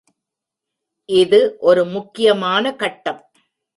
இது ஒரு முக்கியமான கட்டம்.